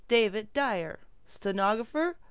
David Dyer Stenographer .